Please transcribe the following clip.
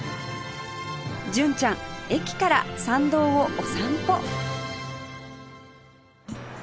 純ちゃん駅から参道をお散歩